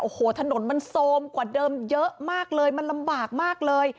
โอ้โหถนนมันโซมกว่าเดิมเยอะมากเลยมันลำบากมากเลย